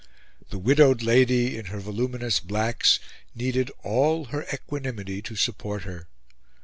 The widowed lady, in her voluminous blacks, needed all her equanimity to support her.